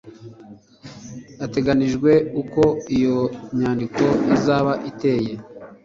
Hateganyijwe uko iyo nyandiko izaba iteye,